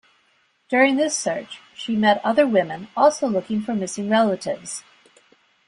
During this search, she met other women also looking for missing relatives.